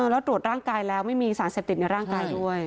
แล้วตรวจร่างกายแล้วไม่มีสารเสพติดในร่างกายด้วย